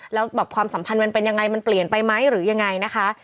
แล้วแบบความสัมพันธ์มันเป็นยังไงมันเปลี่ยนไปไหมหรือยังไงนะคะ